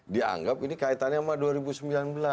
dianggap ini kaitannya sama dua ribu sembilan belas